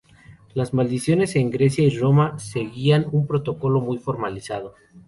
Las maldiciones en Grecia y Roma seguían un protocolo muy formalizado.